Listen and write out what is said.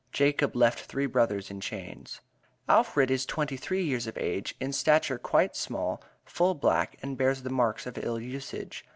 Jacob left three brothers in chains. Alfred is twenty three years of age, in stature quite small, full black, and bears the marks of ill usage.